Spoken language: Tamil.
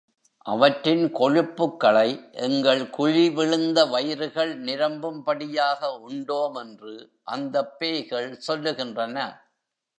அவற்றின் கொழுப்புக்களை எங்கள் குழி விழுந்த வயிறுகள் நிரம்பும்படியாக உண்டோம் என்று அந்தப் பேய்கள் சொல்லுகின்றன.